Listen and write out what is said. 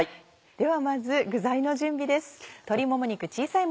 ではまず具材の準備です。